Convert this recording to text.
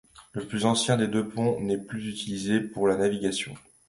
Le plus ancien des deux ponts n'est plus utilisé pour la navigation.